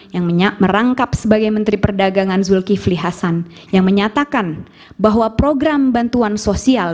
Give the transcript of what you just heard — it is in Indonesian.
yang merangkap sebagai menteri perdagangan zulkifli hasan yang menyatakan bahwa program bantuan sosial